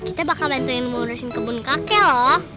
kita bakal bantuin ngurusin kebun kakek loh